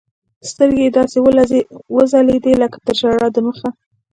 سترګې يې داسې وځلېدې لكه تر ژړا د مخه.